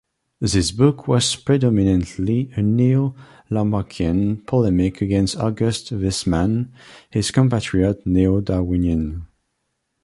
This book was predominantly a Neo-Lamarckian polemic against August Weismann, his compatriot Neo-Darwinian.